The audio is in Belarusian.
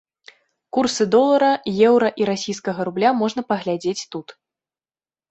Курсы долара, еўра і расійскага рубля можна паглядзець тут.